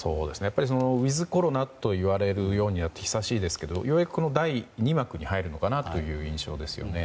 ウィズコロナといわれるように久しいですけどようやく第２幕に入るのかなという印象ですね。